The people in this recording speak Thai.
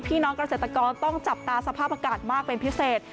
พี่น้องเกษตรกรต้องจับตาสภาพอากาศมากเป็นพิเศษ